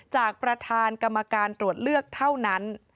จากประธานกรรมการตรวจเลือกเท่านั้น